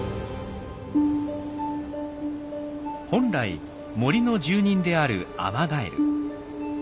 本来森の住人であるアマガエル。